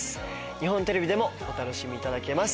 日本テレビでもお楽しみいただけます。